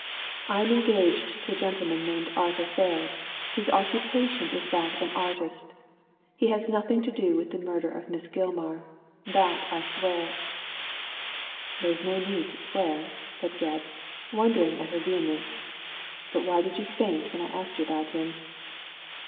I am engaged to a gentleman named Arthur Ferris, whose occupation is that of an artist He has nothing to do with the murder of Miss Gilmar — that I swear." *' There is no need to swear," said Gebb, wondering at her vehemence; "but why did you faint when I asked you about him